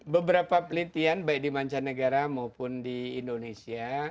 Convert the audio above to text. beberapa pelitian baik di mancanegara maupun di indonesia